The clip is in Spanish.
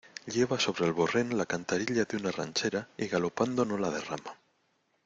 lleva sobre el borrén la cantarilla de una ranchera, y galopando no la derrama.